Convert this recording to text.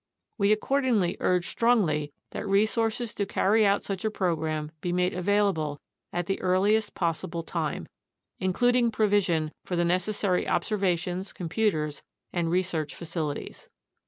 We accordingly urge strongly that resources to carry out such a program be made available at the earliest possible time, including provision for the necessary ob servations, computers, and research facilities.